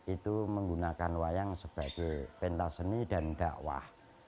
itu menggunakan wayang sebagai pentas seni dan dakwah